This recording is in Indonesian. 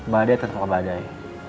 badai tetep ke badai